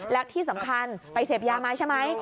และที่สำคัญไปเสพยามาใช่ไหม